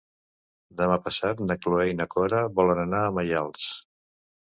Demà passat na Cloè i na Cora volen anar a Maials.